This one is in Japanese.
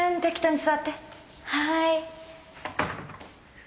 はい。